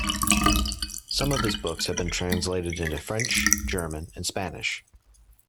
Some of his books have been translated into French, German and Spanish.